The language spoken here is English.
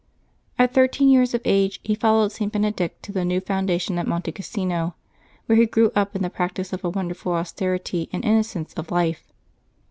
At thirteen years of age he followed St. Benedict to the new foundation at Monte Casino, where he grew up in the practice of a wonderful austerity and innocence of life.